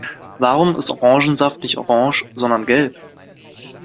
Warum ist Orangensaft nicht orange, sondern gelb?